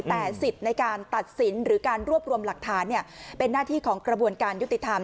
แต่สิทธิ์ในการตัดสินหรือการรวบรวมหลักฐานเป็นหน้าที่ของกระบวนการยุติธรรม